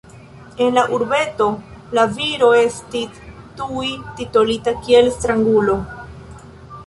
En la urbeto la viro estis tuj titolita kiel strangulo.